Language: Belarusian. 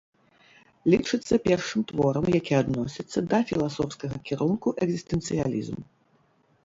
Лічыцца першым творам, які адносіцца да філасофскага кірунку экзістэнцыялізм.